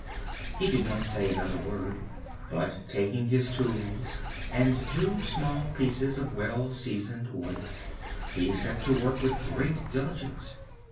He did not say another word, but, taking his tools and two small pieces of well seasoned wood, he set to work with great diligence.